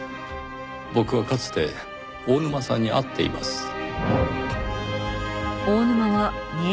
僕はかつて大沼さんに会っています。